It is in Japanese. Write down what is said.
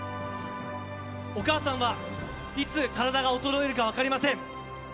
お母さんは、いつ体が衰えるか分かりません。